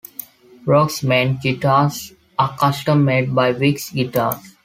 Brock's main guitars are custom made by Wicks Guitars.